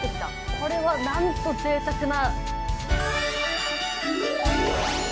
これは、なんとぜいたくな。